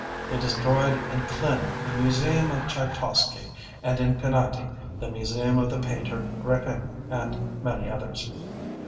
They destroyed in Klin the museum of Tchaikovsky and in Penaty, the museum of the painter Repin and many others.